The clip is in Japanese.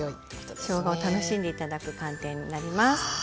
しょうがを楽しんで頂く寒天になります。